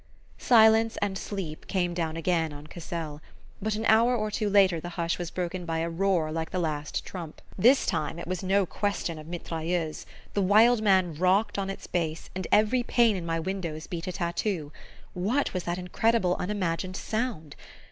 Silence and sleep came down again on Cassel; but an hour or two later the hush was broken by a roar like the last trump. This time it was no question of mitrailleuses. The Wild Man rocked on its base, and every pane in my windows beat a tattoo. What was that incredible unimagined sound?